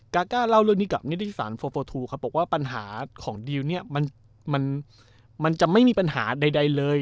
กาก้าเล่าเรื่องนี้กับนิทธิศาล๔๔๒บอกว่าปัญหาของดีลมันจะไม่มีปัญหาใดเลย